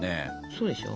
そうでしょ。